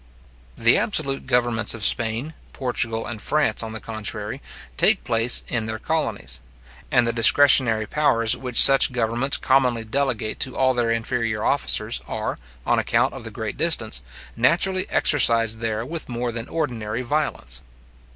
The absolute governments of Spain, Portugal, and France, on the contrary, take place in their colonies; and the discretionary powers which such governments commonly delegate to all their inferior officers are, on account of the great distance, naturally exercised there with more than ordinary violence.